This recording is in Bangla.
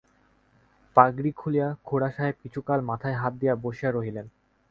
পাগড়ি খুলিয়া খুড়াসাহেব কিছুকাল মাথায় হাত দিয়া বসিয়া রহিলেন।